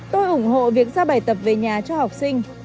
tôi ủng hộ việc giao bài tập về nhà cho học sinh